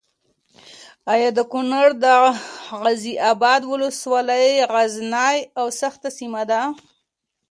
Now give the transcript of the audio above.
ایا د کونړ د غازي اباد ولسوالي غرنۍ او سخته سیمه ده؟